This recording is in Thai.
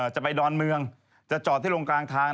จะไปดอนเมืองจะจอดที่ลงกลางทาง